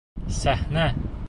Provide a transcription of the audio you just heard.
Сәхнә...